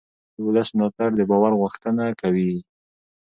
د ولس ملاتړ د باور غوښتنه کوي